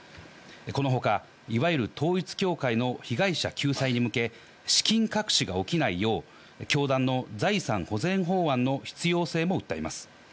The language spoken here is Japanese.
この他、いわゆる統一教会の被害者救済に向け資金隠しが起きないよう、教団の財産保全法案の必要性も訴えます。